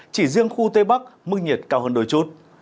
chỉ riêng khu tây bắc mức nhiệt cao hơn đôi chút